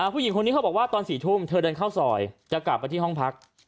ผู้หญิงคนนี้เขาบอกว่าตอน๔ทุ่มเธอเดินเข้าซอยจะกลับไปที่ห้องพัก